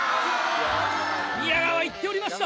宮川は言っておりました